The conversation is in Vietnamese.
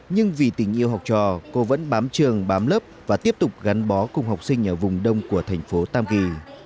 nhưng vì tình yêu học trò cô vẫn bám trường bám lớp và tiếp tục gắn bó cùng học sinh ở vùng đông của thành phố tam kỳ